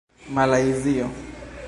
malajzio